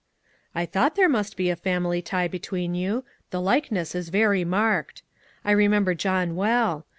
" I thought there must be a family tie between you ; the likeness is very marked. I remember John well.